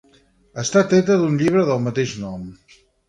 Està treta d'un llibre del mateix nom.